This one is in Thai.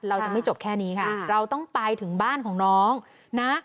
เราจะไม่จบแค่นี้ค่ะเราต้องไปถึงบ้านของน้องนะ